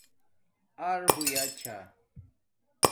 اَرہوئیا چھݳ